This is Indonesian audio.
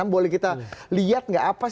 boleh kita lihat nggak apa